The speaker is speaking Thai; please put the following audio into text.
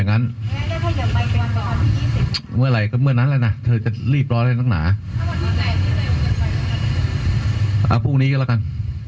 งอนหรือเปล่าเนี่ยมันตัดปัญหาไปเลย